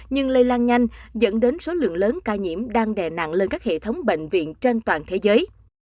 nhưng lây lan nhanh dẫn đến số lượng lớn ca nhiễm đang đè nặng lên các hệ thống bệnh viện trên toàn thế giới